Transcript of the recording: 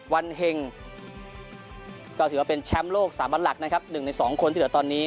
วันแห่งก็ถือว่าเป็นแชมป์โลก๓วันหลัก๑ใน๒คนที่เหลือตอนนี้